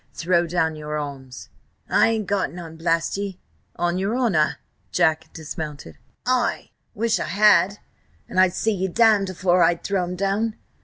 "Throw down your arms!" "I ain't got none, blast ye!" "On your honour?" Jack dismounted. "Ay! Wish I had, and I'd see ye damned afore I'd throw 'em down!"